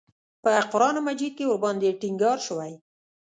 په قران مجید کې ورباندې ټینګار شوی.